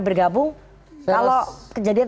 bergabung kalau kejadian